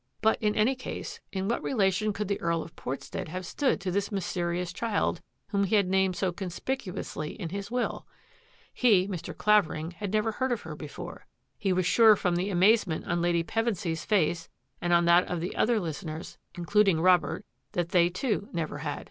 But, in any case, in what relation could the Earl of Port stead have stood to this mysterious child whom he had named so conspicuously in his will? He, Mr. Clavering, had never heard of her before. He was sure from the amazement on Lady Pevensy's face and on that of the other listeners, including Rob ert, that they, too, never had.